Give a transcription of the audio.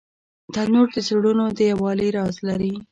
تنور د زړونو د یووالي راز لري